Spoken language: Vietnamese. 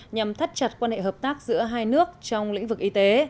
nhằm thắt chặt quan hệ hợp tác giữa hai nước trong lĩnh vực y tế